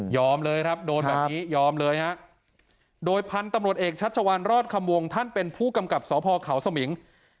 เลยครับโดนแบบนี้ยอมเลยฮะโดยพันธุ์ตำรวจเอกชัชวัลรอดคำวงท่านเป็นผู้กำกับสพเขาสมิง